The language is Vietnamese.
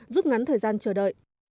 giúp ngắn thời gian chờ đợi